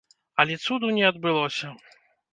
Але цуду не адбылося.